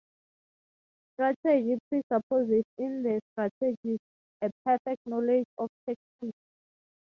Strategy presupposes in the strategist a perfect knowledge of tactics.